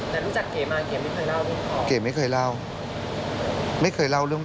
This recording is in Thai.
แต่รู้จักเกรมาเกรไม่เคยเล่าเรื่องพอ